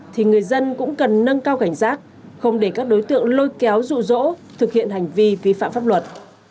thì người dân cũng cần nâng cao cảnh giác không để các đối tượng lôi kéo rụ rỗ thực hiện hành vi vi phạm pháp luật